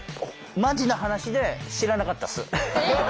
マジな話で知らなかったっす。